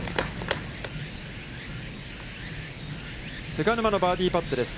菅沼のバーディーパットです。